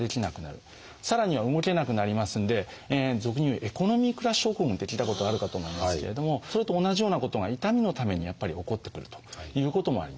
さらには動けなくなりますんで俗に言う「エコノミークラス症候群」って聞いたことあるかと思いますけれどもそれと同じようなことが痛みのためにやっぱり起こってくるということもあります。